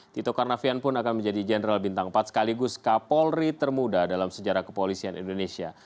tito karnavian pun akan menjadi jenderal bintang empat sekaligus kapolri termuda dalam sejarah kepolisian indonesia